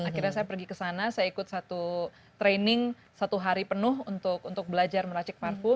akhirnya saya pergi ke sana saya ikut satu training satu hari penuh untuk belajar meracik parful